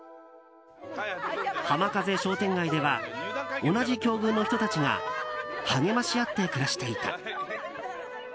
浜風商店街では同じ境遇の人たちが励まし合って暮らしていた。